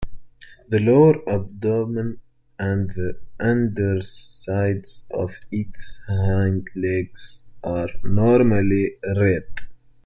The lower abdomen and the undersides of its hind legs are normally red.